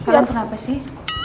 kalian kenapa sih